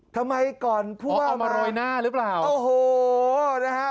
ฮะเอามาโรยหน้าหรือเปล่าทำไมก่อนผู้ว่ามาโอ้โหนะฮะ